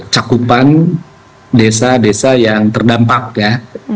cakupan desa desa yang terdampak ya